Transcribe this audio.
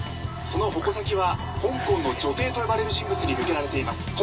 その矛先は香港の女帝と呼ばれる人物に向けられています。